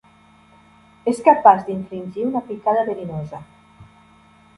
És capaç d'infligir una picada verinosa.